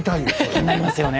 気になりますよね。